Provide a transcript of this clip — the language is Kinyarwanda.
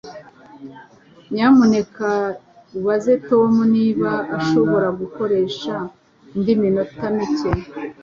Nyamuneka ubaze Tom niba ashobora gukoresha indi minota mike.